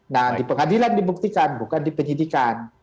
nah di pengadilan dibuktikan bukan di penyidikan